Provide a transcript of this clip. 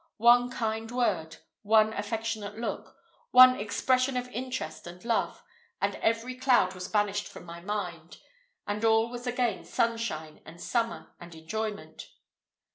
One kind word, one affectionate look, one expression of interest and love, and every cloud was banished from my mind; and all was again sunshine, and summer, and enjoyment.